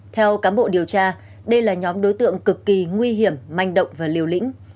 theo cán bộ điều tra đây là nhóm đối tượng cực kỳ nguy hiểm manh động và liều lĩnh